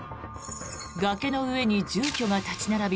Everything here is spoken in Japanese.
崖の上に住居が立ち並び